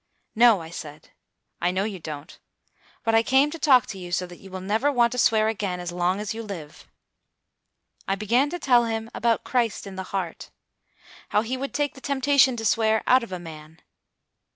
"No," I said, "I know you don't. But I came to talk to you so that you will never want to swear again as long as you live." I began to tell him about Christ in the heart; how he would take the temptation to swear out of a man.